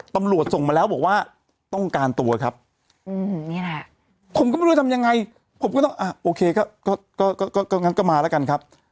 ตำรวจส่งมาแล้วบอกว่าต้องการตัวครับผมก็ไม่รู้ว่าทำยังไงผมก็ต้องโอเคก็มาแล้วกันครับ